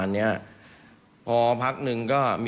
ฟังเสียงอาสามูลละนิทีสยามร่วมใจ